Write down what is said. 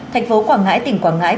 thành phố quảng ngãi tỉnh quảng ngãi